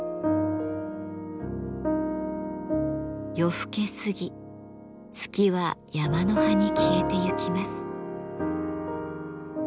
夜更け過ぎ月は山の端に消えてゆきます。